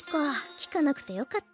聞かなくてよかった。